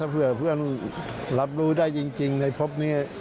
เผื่อเพื่อนรับรู้ได้จริงในพบนี้